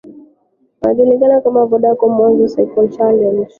yajulikanao kama vodacom mwanza cycle challenge